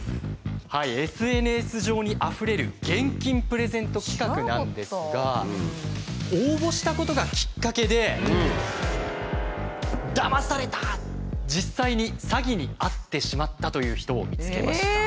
ＳＮＳ上にあふれる現金プレゼント企画なんですが応募したことがきっかけで「ダマされた！！」実際に詐欺に遭ってしまったという人を見つけました。